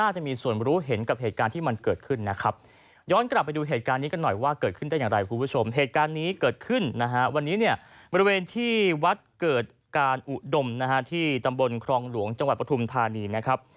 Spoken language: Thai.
ที่วัดเกิดการอุดมที่ตำบลครองหลวงจังหวัดปทุมทานีนะครับ